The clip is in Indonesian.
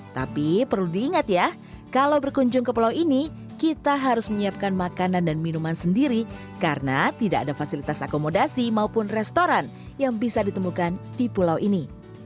tapi perlu diingat ya kalau berkunjung ke pulau ini kita harus menyiapkan makanan dan minuman sendiri karena tidak ada fasilitas akomodasi maupun restoran yang bisa ditemukan di pulau ini